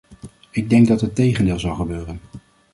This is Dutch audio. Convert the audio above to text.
Ik denk dat het tegendeel zal gebeuren.